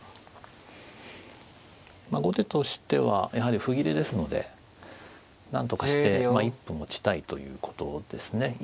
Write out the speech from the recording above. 後手としてはやはり歩切れですので何とかして一歩持ちたいということですね。